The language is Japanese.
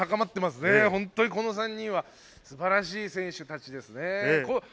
この３人は素晴らしい選手たちですね。